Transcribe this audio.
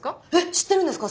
知ってるんですか？